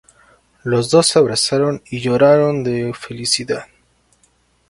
Los dos se abrazan y lloran de felicidad.